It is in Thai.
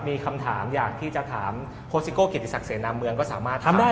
มีคำถามอยากที่จะถามโฆษิโกะหรือสักเศษนามเมืองก็สามารถถามได้